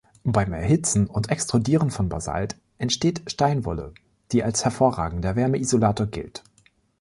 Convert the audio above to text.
Beim Erhitzen und Extrudieren von Basalt entsteht Steinwolle, die als hervorragender Wärmeisolator gilt.